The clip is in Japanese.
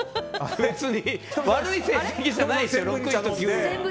別に悪い成績じゃないですよ。